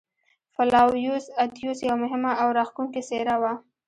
فلاویوس اتیوس یوه مهمه او راښکوونکې څېره وه.